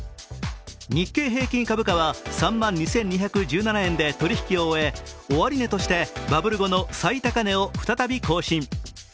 日経平均株価は３万２２１７円で取引を終え終値としてバブル後の最高値を再び更新。